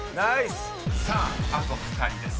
［さああと２人です。